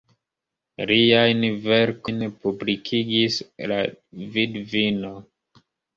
Liajn verkojn publikigis la vidvino.